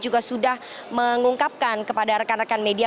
juga sudah mengungkapkan kepada rekan rekan media